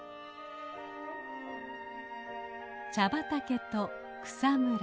茶畑と草むら。